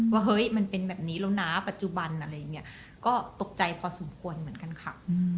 ว่าเฮ้ยมันเป็นแบบนี้แล้วนะปัจจุบันก็ตกใจพอสมควรเหมือนกันค่ะ